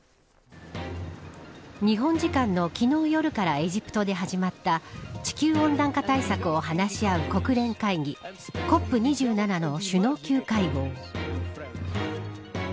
日本時間の昨日夜からエジプトで始まった地球温暖化対策を話し合う国連会議ＣＯＰ２７の首脳級会合。